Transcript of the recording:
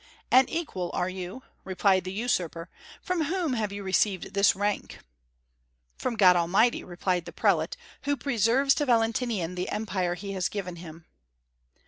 "An equal, are you?" replied the usurper; "from whom have you received this rank?" "From God Almighty," replied the prelate, "who preserves to Valentinian the empire he has given him."